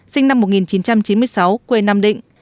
sinh năm một nghìn chín trăm chín mươi sáu quê nam định